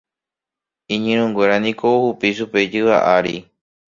Iñirũnguéra niko ohupi chupe ijyva ári.